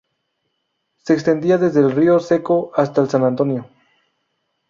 Se extendía desde el río Seco hasta el San Antonio.